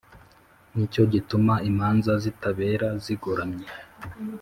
ni cyo gituma imanza zitabera zigoramye